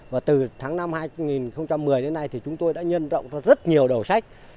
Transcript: và từ tháng năm hai nghìn một mươi đến nay thì chúng tôi đã nhân rộng ra rất nhiều đầu sách